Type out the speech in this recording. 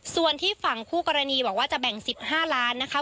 ส่วนที่ฝั่งคู่กรณีบอกว่าจะแบ่ง๑๕ล้านนะคะ